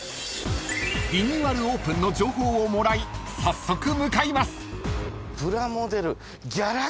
［リニューアルオープンの情報をもらい早速向かいます］